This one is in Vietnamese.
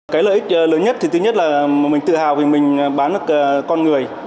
cái lợi ích lớn nhất thì thứ nhất là mình tự hào vì mình bán được con người